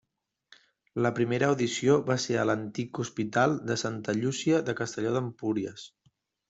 La primera audició va ser a l'antic Hospital de Santa Llúcia de Castelló d'Empúries.